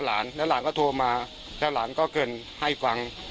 สุดท้ายตัดสินใจเดินทางไปร้องทุกข์การถูกกระทำชำระวจริงและตอนนี้ก็มีภาวะซึมเศร้าด้วยนะครับ